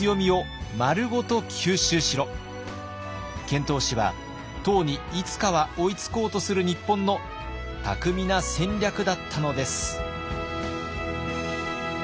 遣唐使は唐にいつかは追いつこうとする日本の巧みな戦略だったのです。